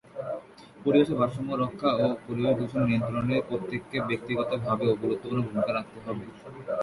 পরিবেশের ভারসাম্য রক্ষা ও পরিবেশ দূষণ নিয়ন্ত্রণে প্রত্যেককে ব্যক্তিগতভাবেও গুরুত্বপূর্ণ ভূমিকা রাখতে হবে।